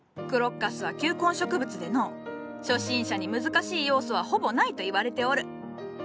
「クロッカス」は球根植物でのう初心者に難しい要素はほぼないと言われておる。